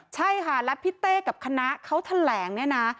ใช่ค่ะและพี่เต้กับคณะเขาแถลงเนี่ยนะ